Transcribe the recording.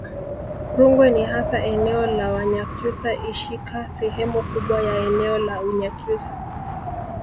Rungwe ni hasa eneo la Wanyakyusa ikishika sehemu kubwa ya eneo la Unyakyusa